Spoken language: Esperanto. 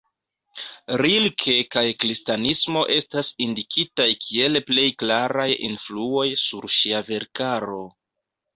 Rilke kaj kristanismo estas indikitaj kiel plej klaraj influoj sur ŝia verkaro.